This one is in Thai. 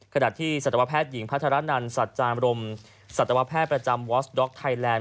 ขณะที่ศัตรวแพทย์หญิงพัฒนรัฐนันศัตรวแพทย์ประจำวอสด็อกไทยแลนด์